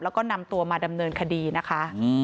แล้วก็นำตัวมาดำเนินคดีนะคะ